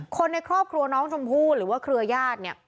คนในครอบครัวน้องชมพู่หรือว่าเครือญาติเนี่ย